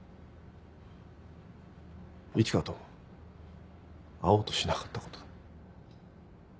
一花と会おうとしなかったことだ。